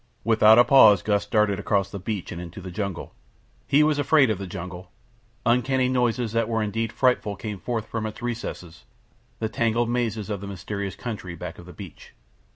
Without a pause Gust darted across the beach and into the jungle. He was afraid of the jungle; uncanny noises that were indeed frightful came forth from its recesses—the tangled mazes of the mysterious country back of the beach.